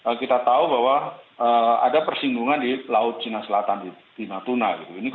misalnya kita tahu bahwa ada persinggungan di laut china selatan di matuna gitu